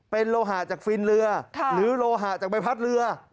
เป็นโลหะจากฟินเรือหรือโลหะจากใบพัดเรือ